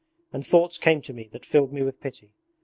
And thoughts came to me that filled me with pity.